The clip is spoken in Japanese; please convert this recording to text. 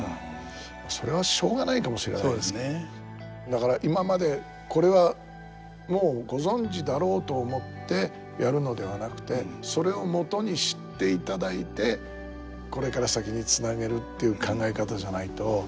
だから今まで「これはもうご存じだろう」と思ってやるのではなくてそれをもとにしていただいてこれから先につなげるっていう考え方じゃないと。